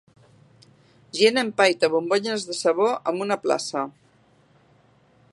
Gent empaita bombolles de sabó en una plaça